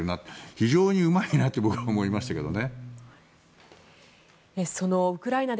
非常にうまいなと僕は思いましたけどね。